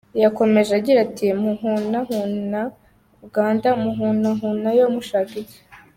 Yakomeje agira ati “Muhunahuna Uganda, muhunahunayo mushaka iki?